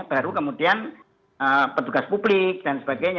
baru kemudian petugas publik dan sebagainya